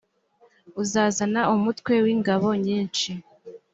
uzazana umutwe w ingabo nyinshi